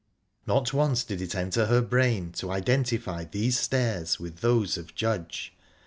Not once did it enter her brain to identify these stairs with those of Judge.